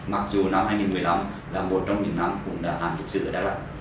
mặc dù năm hai nghìn một mươi năm là một trong những năm cũng đã hạn thiệt sự ở đắk lắk